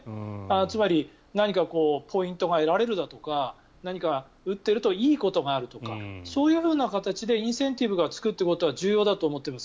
つまり何かポイントが得られるだとか何か打ってるといいことがあるとかそういう形でインセンティブがつくということは重要だと思っています。